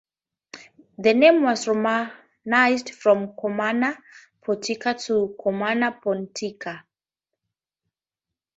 The name was Romanized from Komana Pontika to Comana Pontica.